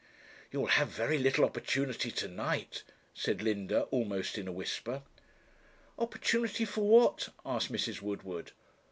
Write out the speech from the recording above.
'You'll have very little opportunity to night,' said Linda, almost in a whisper. 'Opportunity for what?' asked Mrs. Woodward.